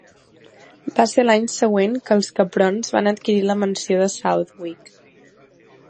Va ser a l'any següent que els Caprons van adquirir la mansió de Southwick.